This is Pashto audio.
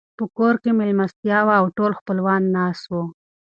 په کور کې مېلمستيا وه او ټول خپلوان ناست وو.